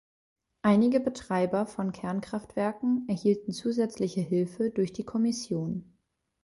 Einige Betreiber von Kernkraftwerken erhielten zusätzliche Hilfe durch die Kommission.